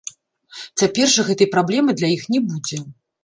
Цяпер жа гэтай праблемы для іх не будзе.